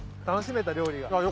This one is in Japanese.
楽しめた料理が。